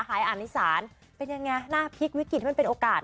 หายอันนิสานเป็นยังไงหน้าพลิกวิกฤตให้มันเป็นโอกาส